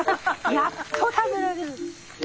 やっと食べられる。ね。